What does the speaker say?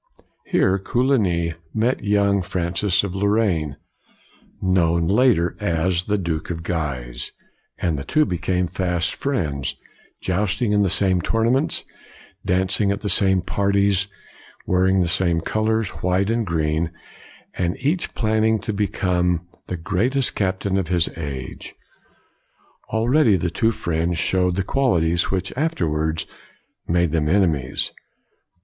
Here Coligny met young COLIGNY 147 Francis of Lorraine, known later as the Duke of Guise, and the two became fast friends, jousting in the same tournaments, dancing at the same parties, wearing the same colors, white and green, and each planning to become the greatest captain of his age. Already the two friends showed the qualities which afterwards made them enemies.